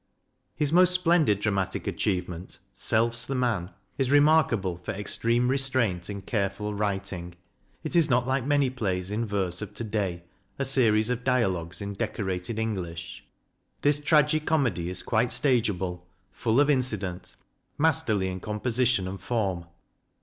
His most splendid dramatic achievement, " Self's the Man," is remarkable for extreme restraint and careful writ ing; it is not, like many plays in verse of to day, a series of dialogues in decorated English. This " tragi comedy " is quite stageable, full of incident, masterly in composition and form.